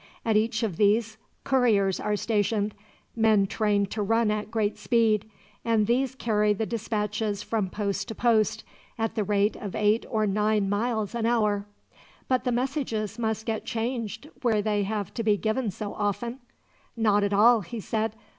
At each of these couriers are stationed, men trained to run at great speed, and these carry the dispatches from post to post, at the rate of eight or nine miles an hour." "But the messages must get changed, where they have to be given so often?" "Not at all," he said.